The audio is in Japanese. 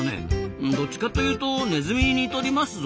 どっちかというとネズミに似とりますぞ。